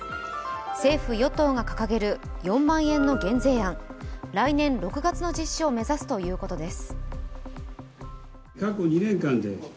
政府・与党が掲げる４万円の減税案、来年６月の実施を目指すということです。